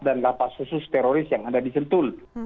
dan lapas khusus teroris yang ada di sentul